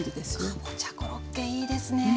かぼちゃコロッケいいですね。